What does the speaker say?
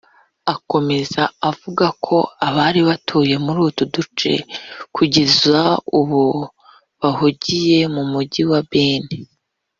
Akomeza avuga ko abari batuye muri utu duce kugeza ubu bahungiye mu mugi wa Beni